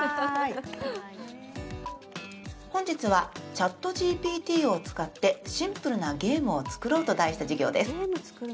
本日はチャットＧＰＴを使ってシンプルなゲームを作ろうと題した授業です。